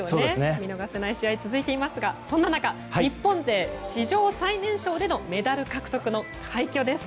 見逃せない試合続いていますがそんな中、日本勢史上最年少でのメダル獲得の快挙です。